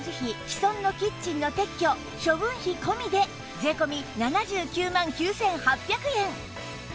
既存のキッチンの撤去処分費込みで税込７９万９８００円